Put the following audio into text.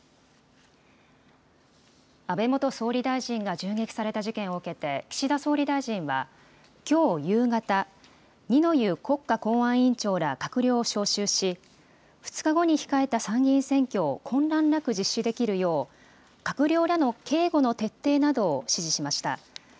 安倍元総理大臣が銃撃された事件を受けて、岸田総理大臣は、きょう夕方、二之湯国家公安委員長ら閣僚を招集し、２日後に控えた参議院選挙を混乱なく実施できるよう、閣僚らの警護の徹底などを指示しました。